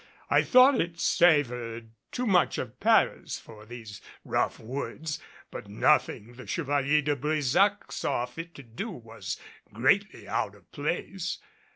I thought it savored too much of Paris for these rough woods, but nothing the Chevalier de Brésac saw fit to do was greatly out of place.